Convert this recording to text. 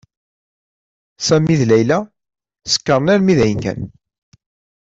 Sami d Layla sekren almi kan dayen.